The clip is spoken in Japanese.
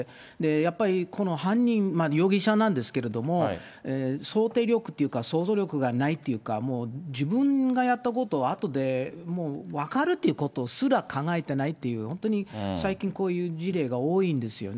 やっぱり、この犯人、容疑者なんですけれども、想定力というか、想像力がないというか、もう自分がやったことをあとでもう分かるっていうことすら考えてないっていう、本当に最近こういう事例が多いんですよね。